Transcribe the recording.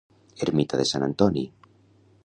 Ermita de Sant Antoni